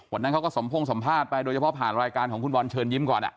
วันนั้นเขาก็สมพงษสัมภาษณ์ไปโดยเฉพาะผ่านรายการของคุณบอลเชิญยิ้มก่อน